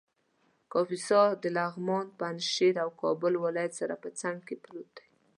کاپیسا د لغمان ، پنجشېر او کابل ولایت سره په څنګ کې پروت دی